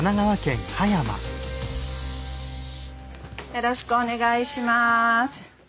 よろしくお願いします。